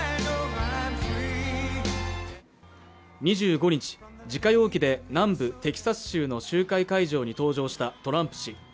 ２５日、自家用機で南部テキサス州の集会会場に登場したトランプ氏。